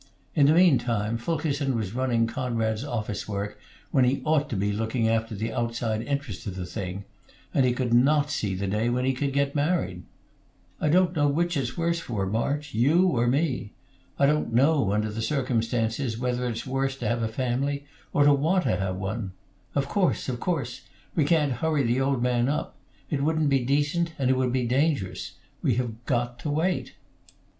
In the mean time Fulkerson was running Conrad's office work, when he ought to be looking after the outside interests of the thing; and he could not see the day when he could get married. "I don't know which it's worse for, March: you or me. I don't know, under the circumstances, whether it's worse to have a family or to want to have one. Of course of course! We can't hurry the old man up. It wouldn't be decent, and it would be dangerous. We got to wait."